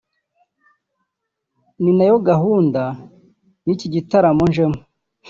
ni nayo gahunda y’iki gitaramo njemo